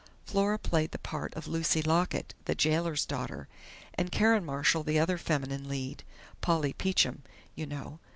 Flora played the part of 'Lucy Lockit', the jailor's daughter, and Karen Marshall the other feminine lead, 'Polly Peachum', you know.